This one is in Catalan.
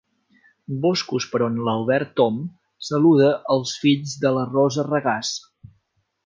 Boscos per on l'Albert Om saluda els fills de la Rosa Regàs.